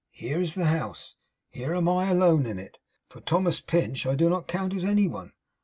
Here is the house. Here am I alone in it, for Thomas Pinch I do not count as any one.